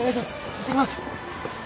いってきます。